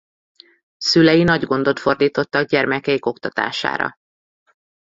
Szülei nagy gondot fordítottak gyermekeik oktatására.